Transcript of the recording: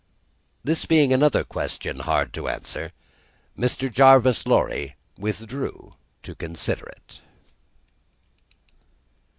This being another question hard to answer, Mr. Jarvis Lorry withdrew to consider it.